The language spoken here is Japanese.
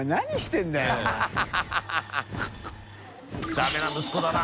ダメな息子だな。